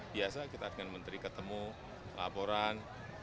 biasa kita dengan menteri ketemu laporan